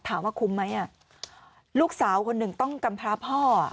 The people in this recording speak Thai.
ถามว่าคุ้มไหมลูกสาวคนหนึ่งต้องกำพร้าพ่อ